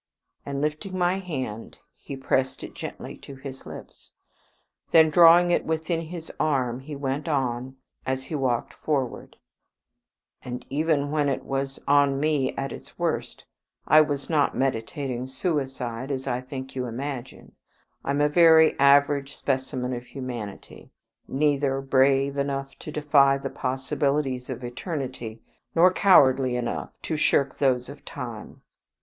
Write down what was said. And lifting my hand, he pressed it gently to his lips. Then drawing it within his arm, he went on, as he walked forward, "And even when it was on me at its worst, I was not meditating suicide, as I think you imagine. I am a very average specimen of humanity, neither brave enough to defy the possibilities of eternity nor cowardly enough to shirk those of time.